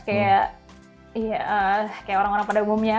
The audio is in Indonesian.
kayak orang orang pada umumnya